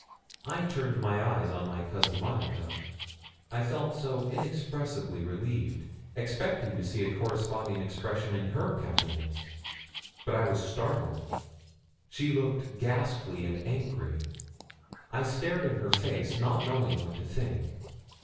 I turned my eyes on my cousin Monica I felt so inexpressibly relieved expecting to see a corresponding expression in her countenance. But I was startled. She looked ghastly and angry. I stared in her face, not knowing what to think.